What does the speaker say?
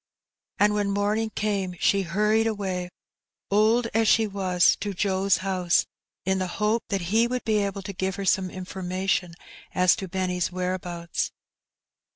And when morning came she hurried away, old as she was, to Joe's house, in the hope that he would be able to give her some information as to Benny's whereabouts.